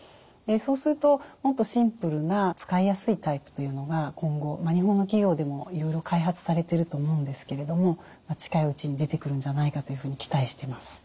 そうするともっとシンプルな使いやすいタイプというのが今後日本の企業でもいろいろ開発されてると思うんですけれども近いうちに出てくるんじゃないかというふうに期待してます。